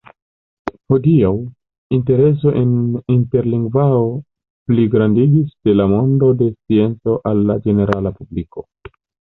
Hodiaŭ, intereso en interlingvao pligrandigis de la mondo de scienco al la ĝenerala publiko.